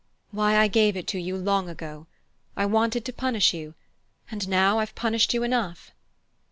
"Why, I gave it to you long ago. I wanted to punish you and now I've punished you enough."